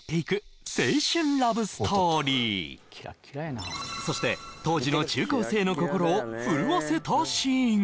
何よそして当時の中高生の心を震わせたシーンが